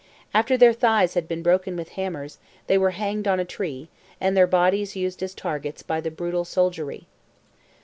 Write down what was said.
After their thighs had been broken with hammers, they were hanged on a tree, and their bodies used as targets by the brutal soldiery.